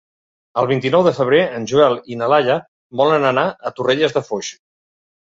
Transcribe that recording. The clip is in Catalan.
El vint-i-nou de febrer en Joel i na Laia volen anar a Torrelles de Foix.